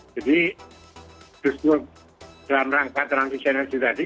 jadi justru dalam rangka transisi energi tadi